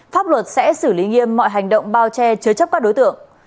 pháp luật sẽ xử lý nghiêm mọi hành động bao che chứa chấp các đối tượng